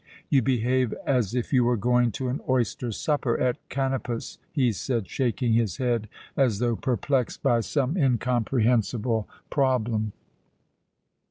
"You behave as if you were going to an oyster supper at Kanopus," he said, shaking his head as though perplexed by some incomprehensible problem.